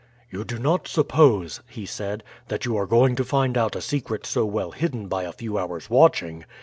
"You do not suppose," he said, "that you are going to find out a secret so well hidden by a few hours' watching.